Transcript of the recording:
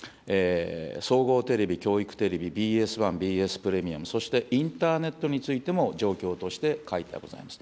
総合テレビ、教育テレビ、ＢＳ１、ＢＳプレミアム、そしてインターネットについても状況として書いてございます。